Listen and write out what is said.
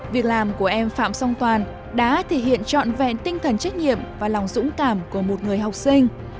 việc làm của em phạm song toàn đã thể hiện trọn vẹn tinh thần trách nhiệm và lòng dũng cảm của một người học sinh